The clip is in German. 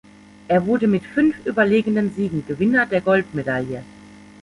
Er wurde mit fünf überlegenen Siegen Gewinner der Goldmedaille.